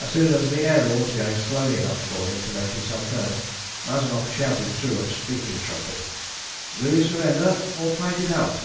As soon as the Ariel was going slowly enough for him to make himself heard, Mazanoff shouted through a speaking trumpet "Will you surrender, or fight it out?"